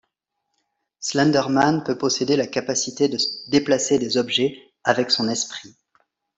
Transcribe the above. Slender Man peut posséder la capacité de déplacer des objets avec son esprit.